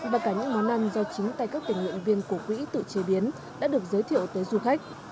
và cả những món ăn do chính tay các tình nguyện viên của quỹ tự chế biến đã được giới thiệu tới du khách